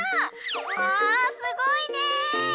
わあすごいねえ！